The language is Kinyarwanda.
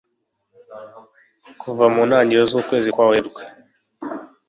kuva mu ntangiriro z'ukwezi kwa werurwe